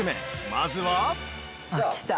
まずは◆来た。